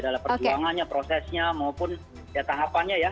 dalam perjuangannya prosesnya maupun ya tahapannya ya